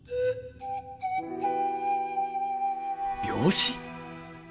病死！？